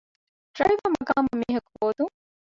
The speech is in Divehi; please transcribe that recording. ޑްރައިވަރ މަގާމަށް މީހަކު ހޯދުން